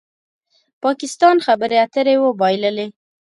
پاکستان خبرې اترې وبایللې